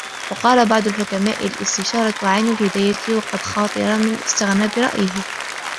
وَقَالَ بَعْضُ الْحُكَمَاءِ الِاسْتِشَارَةُ عَيْنُ الْهِدَايَةِ وَقَدْ خَاطَرَ مَنْ اسْتَغْنَى بِرَأْيِهِ